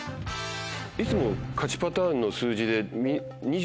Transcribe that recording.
いつも勝ちパターンの数字で。